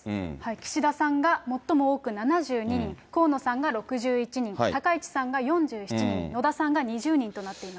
岸田さんが最も多く７２人、河野さんが６１人、高市さんが４７人、野田さんが２０人となっています。